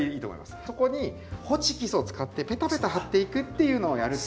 そこにホチキスを使ってペタペタはっていくっていうのをやると。